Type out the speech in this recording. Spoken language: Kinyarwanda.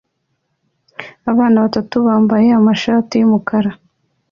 Abana batatu bambaye amashati yumukara